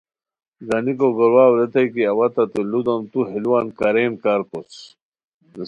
گانیکو گور واؤ ریتائے کی اوا تتے لو دوم تو ہے لوان کارین کارکوس